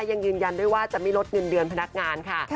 ยังยืนยันด้วยว่าจะไม่ลดเงินเดือนพนักงานค่ะ